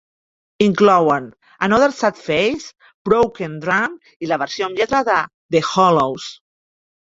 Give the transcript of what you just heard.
Inclouen "Another Sad Face", "Broken Drum" i la versió amb lletra de "The Hollows".